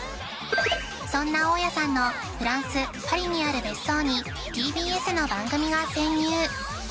そんな大屋さんのフランス・パリにある別荘にＴＢＳの番組が潜入